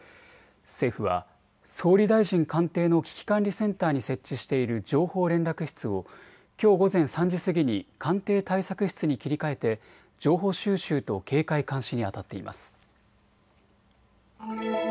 政府は総理大臣官邸の危機管理センターに設置している情報連絡室をきょう午前３時過ぎに官邸対策室に切り替えて情報収集と警戒監視にあたっています。